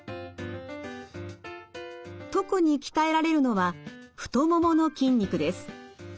特に鍛えられるのは太ももの筋肉です。